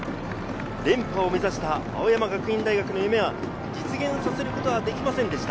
連覇を目指した青山学院大学の夢は実現させることはできませんでした。